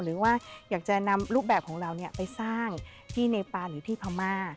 หรือว่าอยากจะนำรูปแบบของเราไปสร้างที่เนปานหรือที่พม่า